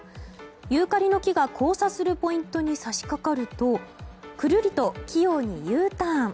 ユーカリの木が交差するポイントに差し掛かるとくるりと器用にＵターン。